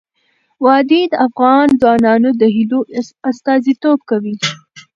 وادي د افغان ځوانانو د هیلو استازیتوب کوي.